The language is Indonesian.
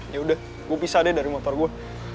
yaudah gua pisah deh dari motor gua